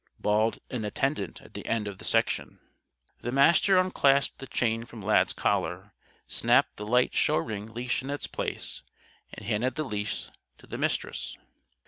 bawled an attendant at the end of the section. The Master unclasped the chain from Lad's collar, snapped the light show ring leash in its place and handed the leash to the Mistress.